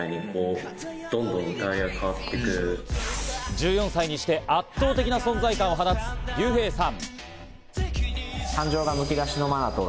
１４歳にして、圧倒的な存在感を放つリュウヘイさん。